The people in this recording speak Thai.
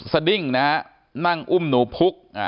สดิ้งนะฮะนั่งอุ้มหนูพุก